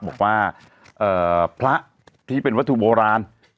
บอกว่าพระที่เป็นวัตถุโบราณ